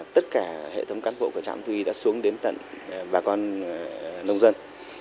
tất cả hệ thống cán bộ của trám thuy đã xuống đến tận bà con nông dân